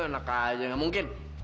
nakal aja enggak mungkin